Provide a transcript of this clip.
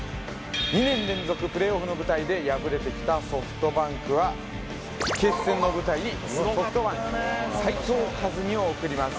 ２年連続プレーオフの舞台で敗れて来たソフトバンクは決戦の舞台にソフトバンク斉藤和巳を送ります。